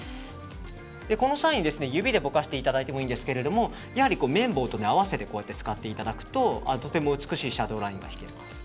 この際に指でぼかしていただいてもいいんですけどやはり綿棒と合わせて使っていただくととても美しいシャドーラインが引けます。